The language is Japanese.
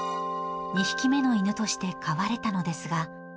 ２匹目の犬として飼われたのですが。